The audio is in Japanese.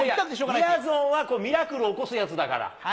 みやぞんはミラクルを起こすやつだから。